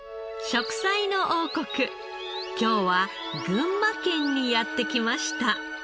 『食彩の王国』今日は群馬県にやってきました。